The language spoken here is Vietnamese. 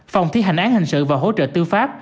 phòng thi hành án hình sự và hỗ trợ tư pháp